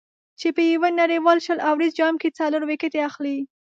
چې په یو نړیوال شل اوریز جام کې څلور ویکټې اخلي.